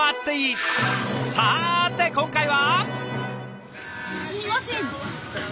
さて今回は？